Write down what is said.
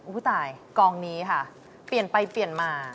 ตายกองนี้ค่ะเปลี่ยนไปเปลี่ยนมา